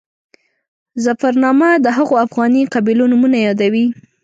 ظفرنامه د هغو افغاني قبیلو نومونه یادوي.